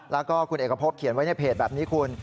แล้วก็คุณเอกพบเขียนไว้ในเพจแบบนี้คุณ